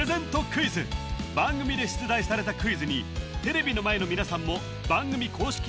クイズ番組で出題されたクイズにテレビの前の皆さんも番組公式